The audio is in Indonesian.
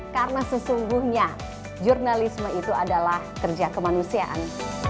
karena sesungguhnya jurnalisme itu adalah kerja kemanusiaan